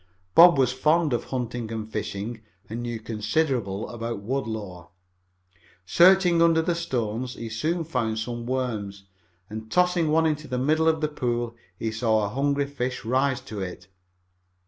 Bob was fond of hunting and fishing and knew considerable about wood lore. Searching under the stones he soon found some worms, and, tossing one into the middle of the pool, he saw a hungry fish rise to it.